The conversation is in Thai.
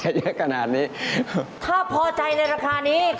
โต๊ะกับเก้าอี้เอาไปฉันก็ใช้ได้